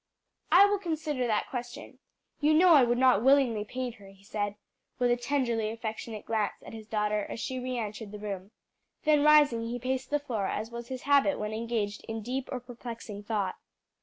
"I will consider that question. You know I would not willingly pain her," he said, with a tenderly affectionate glance at his daughter as she re entered the room; then rising he paced the floor, as was his habit when engaged in deep or perplexing thought.